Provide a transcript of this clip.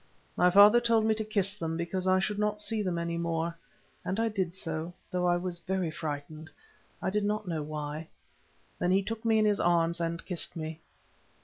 My father told me to kiss them, because I should not see them any more, and I did so, though I was very frightened. I did not know why. Then he took me in his arms and kissed me.